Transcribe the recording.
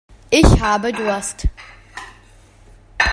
Ich habe Durst.